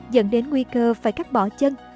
dẫn đến nguy cơ phải cắt bỏ chân